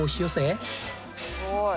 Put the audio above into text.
すごい。